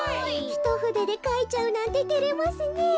ひとふででかいちゃうなんててれますねえ。